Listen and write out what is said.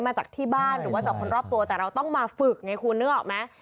มาจากที่บ้านหรือว่าจากคนรอบตัวแต่เราต้องมาฝึกไงคุณนึกออกไหม